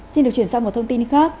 xin được chuyển sang một thông tin khác